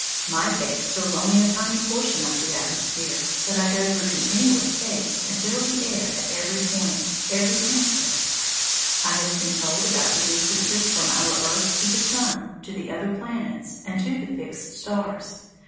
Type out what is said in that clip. My face feels only a tiny portion of the atmosphere; but I go through continuous space and feel the air at every point, every instant. I have been told about the distances from our earth to the sun, to the other planets, and to the fixed stars.